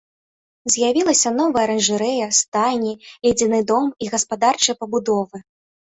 З'явілася новыя аранжарэя, стайні, ледзяны дом і гаспадарчыя пабудовы.